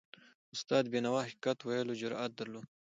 استاد بینوا د حقیقت ویلو جرأت درلود.